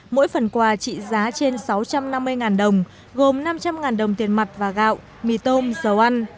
mỗi phần quà trị giá trên sáu trăm năm mươi đồng gồm năm trăm linh đồng tiền mặt và gạo mì tôm dầu ăn